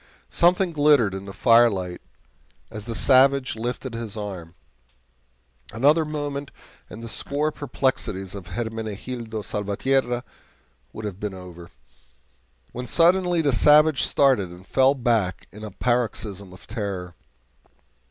Something glittered in the firelight as the savage lifted his arm; another moment and the sore perplexities of Hermenegildo Salvatierra would have been over, when suddenly the savage started and fell back in a paroxysm of terror.